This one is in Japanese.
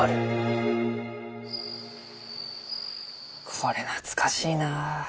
これ懐かしいな。